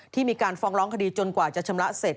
ที่มีการฟ้องร้องคดีจนกว่าจะชำระเสร็จ